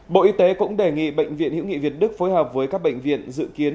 bộ y tế cũng đề nghị bệnh viện hữu nghị việt đức phối hợp với các bệnh viện dự kiến